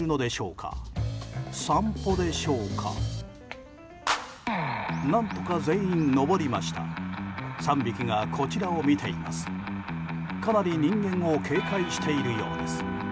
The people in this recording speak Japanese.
かなり、人間を警戒しているようです。